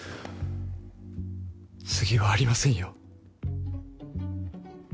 次はありませんよ。